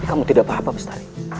kamu tidak apa apa